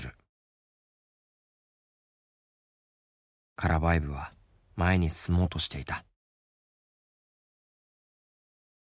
カラヴァエヴは前に進もうとしていた。